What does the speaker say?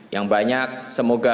yang banyak semoga